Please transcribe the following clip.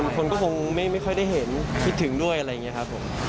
คนก็คงไม่ค่อยได้เห็นคิดถึงด้วยอะไรอย่างนี้ครับผม